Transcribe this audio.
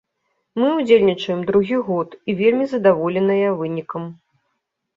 Мы ўдзельнічаем другі год і вельмі задаволеныя вынікам.